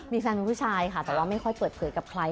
มีแฟนเป็นผู้ชายค่ะแต่ว่าไม่ค่อยเปิดเผยกับใคร